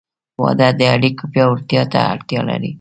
• واده د اړیکو پیاوړتیا ته اړتیا لري.